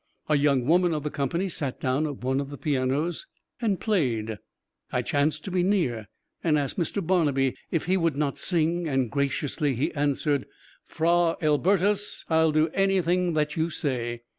A young woman of the company sat down at one of the pianos and played. I chanced to be near and asked Mr. Barnabee if he would not sing, and graciously he answered, "Fra Elbertus, I'll do anything that you say."